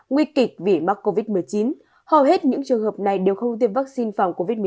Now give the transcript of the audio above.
nguy kịch vì mắc covid một mươi chín hầu hết những trường hợp này đều không tiêm vaccine phòng covid một mươi chín